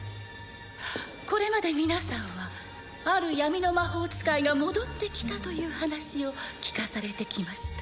これまで皆さんはある闇の魔法使いが戻ってきたという話を聞かされてきました